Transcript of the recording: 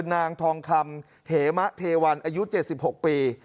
นางทองคำเหมะเทวันอายุเจ็ดสิบหกปี